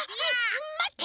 まって！